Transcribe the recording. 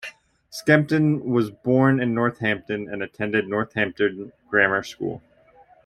Skempton was born in Northampton and attended Northampton grammar school.